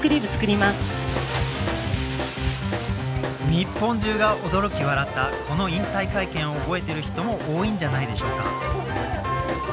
日本中が驚き笑ったこの引退会見を覚えてる人も多いんじゃないでしょうか。